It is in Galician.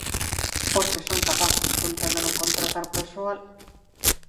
Porque son capaces con tal de non contratar persoal.